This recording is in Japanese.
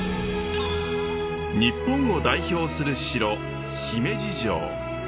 日本を代表する城姫路城。